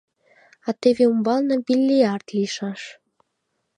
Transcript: А теве умбалне биллиард лийшаш.